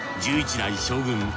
１１代将軍